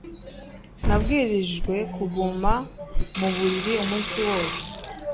Nabwirijwe kuguma mu buriri umunsi wose.